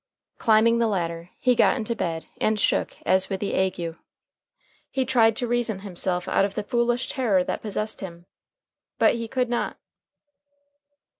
Climbing the ladder, he got into bed, and shook as with the ague. He tried to reason himself out of the foolish terror that possessed him, but he could not.